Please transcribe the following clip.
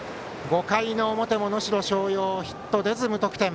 ５回の表も能代松陽ヒット出ず、無得点。